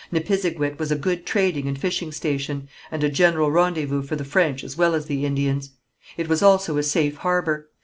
Nipisiguit was a good trading and fishing station, and a general rendezvous for the French as well as the Indians; it was also a safe harbour.